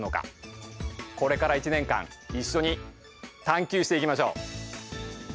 これから１年間一緒に探究していきましょう。